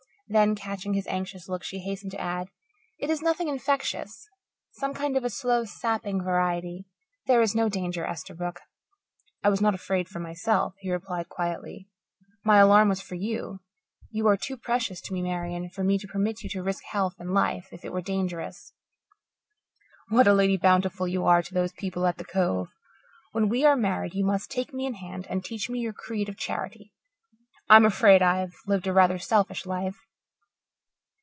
Then, catching his anxious look, she hastened to add, "It is nothing infectious some kind of a slow, sapping variety. There is no danger, Esterbrook." "I was not afraid for myself," he replied quietly. "My alarm was for you. You are too precious to me, Marian, for me to permit you to risk health and life, if it were dangerous. What a Lady Bountiful you are to those people at the Cove. When we are married you must take me in hand and teach me your creed of charity. I'm afraid I've lived a rather selfish life.